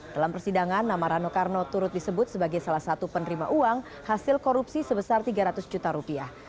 dalam persidangan nama rano karno turut disebut sebagai salah satu penerima uang hasil korupsi sebesar tiga ratus juta rupiah